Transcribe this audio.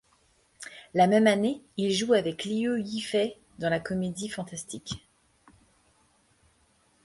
La même année, il joue avec Liu Yifei dans la comédie fantastique '.